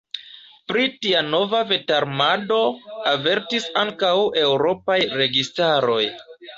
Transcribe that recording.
Pri tia nova vetarmado avertis ankaŭ eŭropaj registaroj.